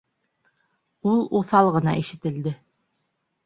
Ул уҫал ғына ишетелде.